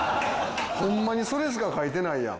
ホンマにそれしか書いてないやん。